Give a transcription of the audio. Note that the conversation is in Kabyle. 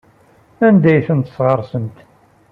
Anda ay tent-tesɣersemt?